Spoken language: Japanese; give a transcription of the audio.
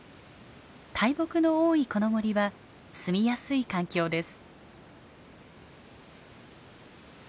大木の多いこの森は住みやすい環境です。